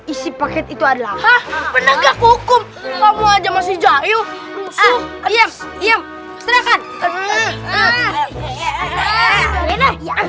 isi paket itu adalah penegak hukum kamu aja masih jahil rusuh diam diam serahkan